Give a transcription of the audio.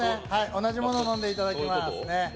同じものを飲んでいただきますね。